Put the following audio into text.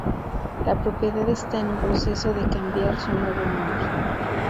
La propiedad está en un proceso de cambiar su nuevo nombre.